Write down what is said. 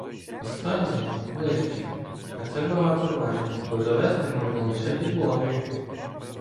Останній — ближче, а це багато важить, бо завезти можна лише підводою.